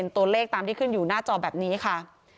ตัวเลขตามที่ขึ้นอยู่หน้าจอแบบนี้ค่ะ